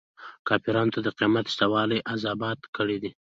کافرانو ته د قیامت شته والی ازبات کړي.